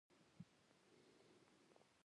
هغه له سیند څخه ټوپ کړ او یو غار یې ولید